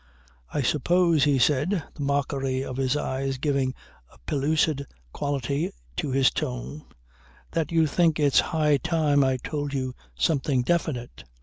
"I suppose," he said, the mockery of his eyes giving a pellucid quality to his tone, "that you think it's high time I told you something definite.